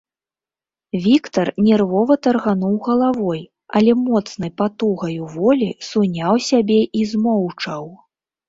Віктар нервова таргануў галавой, але моцнай патугаю волі суняў сябе і змоўчаў.